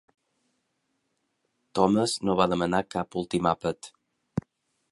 Thomas no va demanar cap últim àpat.